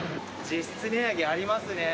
実質値上げありますね。